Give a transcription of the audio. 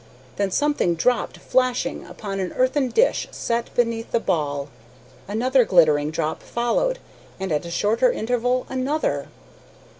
Then something dropped flashing into an earthen dish set beneath the ball! Another glittering drop followed, and, at a shorter interval, another!